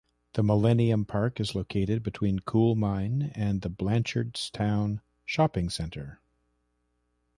The Millenium Park is located in between Coolmine and the Blanchardstown Shopping Centre.